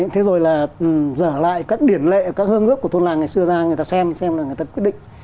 thế rồi là dở lại các điển lệ các hương ước của thôn làng ngày xưa ra người ta xem xem là người ta quyết định